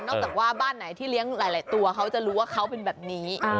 จากว่าบ้านไหนที่เลี้ยงหลายตัวเขาจะรู้ว่าเขาเป็นแบบนี้